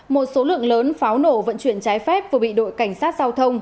một số lượng lớn pháo nổ vận chuyển trái phép vừa bị đội cảnh sát giao thông